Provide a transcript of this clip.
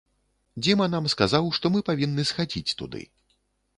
Дзіма нам сказаў, што мы павінны схадзіць туды.